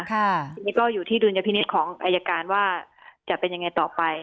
ทีนี้ก็อยู่ที่ดุลยพินิษฐ์ของอายการว่าจะเป็นยังไงต่อไป